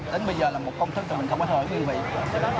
đến bây giờ là một công thức mà mình không có thể nguyên vị